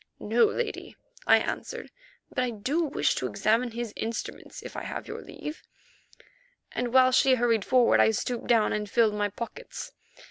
"No, Lady," I answered; "but I do wish to examine his instruments if I have your leave," and while she hurried forward I stooped down and filled my pockets.